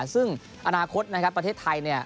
ซึ่งอนาคตนะครับประเทศไทยเนี่ย